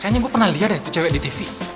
kayaknya gue pernah lihat itu cewek di tv